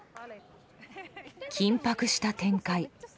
緊迫した展開。